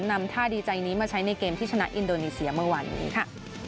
นำท่าดีใจนี้มาใช้ในเกมที่ชนะอินโดนีเซียเมื่อวานนี้ค่ะ